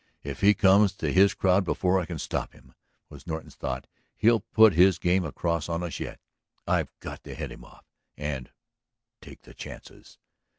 "If he comes to his crowd before I can stop him," was Norton's thought, "he'll put his game across on us yet. I've got to head him off and take the chances."